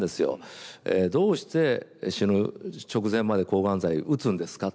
「どうして死ぬ直前まで抗がん剤打つんですか？」